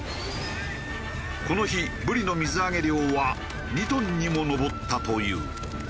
この日ブリの水揚げ量は２トンにも上ったという。